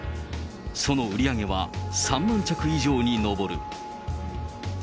その売り上げは３万着以上に上る。